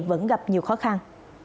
vẫn gặp nhiều khó khăn